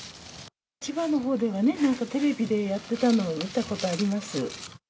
千葉のほうではね、なんかテレビでやってたのを見たことあります。